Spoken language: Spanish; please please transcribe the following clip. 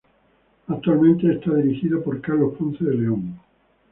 Actualmente es dirigido por Carlos Ponce de León.